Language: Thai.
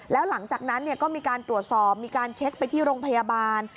แล้วหลังจากนั้นก็มีการตรวจสอบมีการเช็คไปที่โรงพยาบาล